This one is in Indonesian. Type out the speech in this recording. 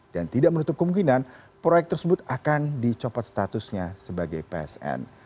dan tidak menutup kemungkinan proyek tersebut akan dicopot statusnya sebagai psn